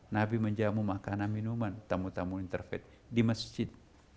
nabi menjamu makanan minuman tamu tamu interfait di masjid